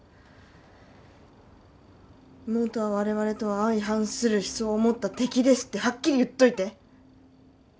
妹は我々とは相反する思想を持った敵ですってはっきり言っといて。